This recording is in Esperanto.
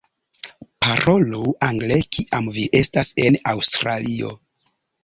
Parolu angle kiam vi estas en Aŭstralio!